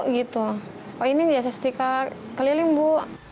gitu oh ini jasa setrika keliling bu